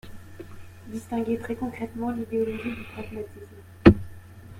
distinguer très concrètement l’idéologie du pragmatisme.